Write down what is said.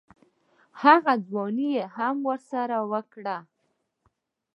دغه ځواني يې هم راسره وکړه.